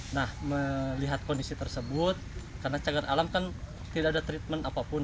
nah melihat kondisi tersebut karena cagar alam kan tidak ada treatment apapun